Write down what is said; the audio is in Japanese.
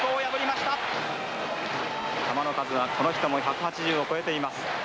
球の数はこの人も１８０を超えています。